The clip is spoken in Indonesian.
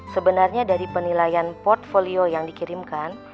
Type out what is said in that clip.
sebenarnya dari penilaian portfolio yang dikirimkan